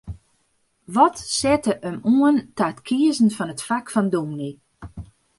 Wat sette him oan ta it kiezen fan it fak fan dûmny?